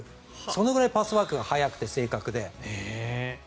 そのくらいパスワークが速くて正確で。